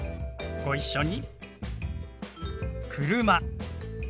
ご一緒に。